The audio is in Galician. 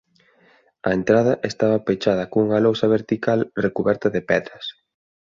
A entrada estaba pechada cunha lousa vertical recuberta de pedras.